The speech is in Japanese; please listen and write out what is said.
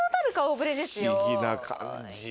不思議な感じ。